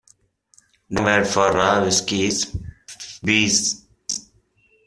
The slang word for raw whiskey is booze.